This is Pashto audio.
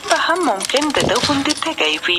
څه ډول کولای سو ژور او بې خنډه خوب تجربه کړو؟